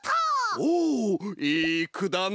おおいいくだな！